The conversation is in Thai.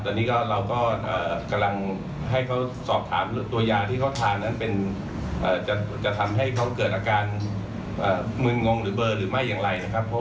ก็เริ่มอะไรนะครับเพราะว่ารับแจ้งจากโรงพยาบาล